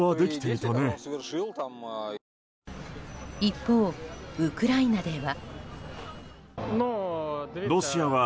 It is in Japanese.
一方、ウクライナでは。